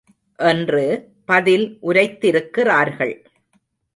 என்று பதில் உரைத்திருக்கிறார்கள்.